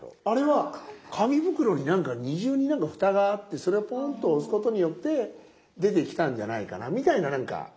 あれは紙袋に何か２重にフタがあってそれをポンと押すことによって出てきたんじゃないかなみたいな何か。